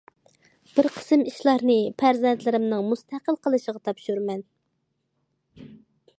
بىر قىسىم ئىشلارنى پەرزەنتلىرىمنىڭ مۇستەقىل قىلىشىغا تاپشۇرىمەن.